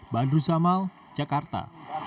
bandru zamal jakarta